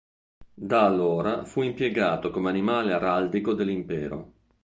Da allora fu impiegato come animale araldico dell'impero.